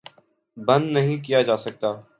بند نہیں کیا جا سکتا